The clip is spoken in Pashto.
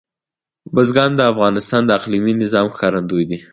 بزګان د افغانستان د اقلیمي نظام ښکارندوی ده.